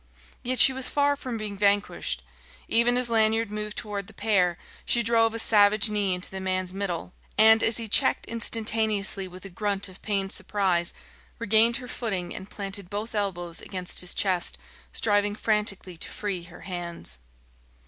Yet she was far from being vanquished. Even as Lanyard moved toward the pair, she drove a savage knee into the man's middle and, as he checked instantaneously with a grunt of pained surprise, regained her footing and planted both elbows against his chest, striving frantically to free her hands.